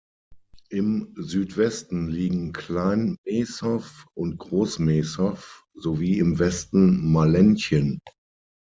Im Südwesten liegen Klein Mehßow und Groß Mehßow sowie im Westen Mallenchen.